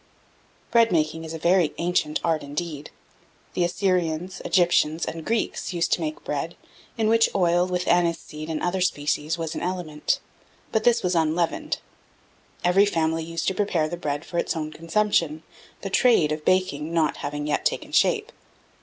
1670. Bread making is a very ancient art indeed. The Assyrians, Egyptians, and Greeks, used to make bread, in which oil, with aniseed and other spices, was an element; but this was unleavened. Every family used to prepare the bread for its own consumption, the trade of baking not having yet taken shape.